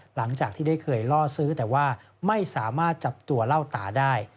หลังจากที่ได้เคยล่อซื้อแต่ว่าไม่สามารถจับตัวเล่าตาได้